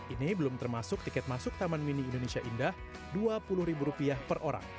ini belum termasuk tiket masuk taman mini indonesia indah rp dua puluh per orang